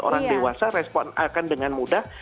orang dewasa respon akan dengan mudah